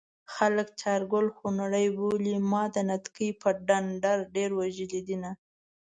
خلک چارګل خونړی بولي ما د نتکۍ په ډنډر ډېر وژلي دينه